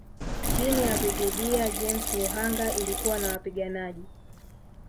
Chini ya Brigedia James Luhanga ilikuwa na wapiganaji